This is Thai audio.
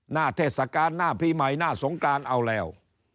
เทศกาลหน้าปีใหม่หน้าสงกรานเอาแล้ว